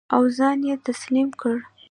او ځان یې تسلیم کړ.